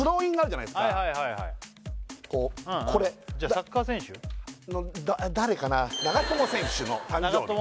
こうこれじゃあサッカー選手？の誰かな